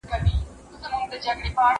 لوبه وکړه!.